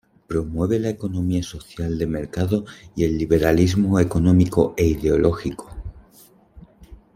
Promueve la economía social de mercado y el liberalismo económico e ideológico.